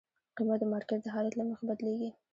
قیمت د مارکیټ د حالت له مخې بدلېږي.